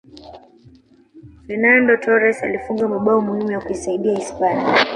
fernando torres alifunga mabao muhimu ya kuisaidia hispania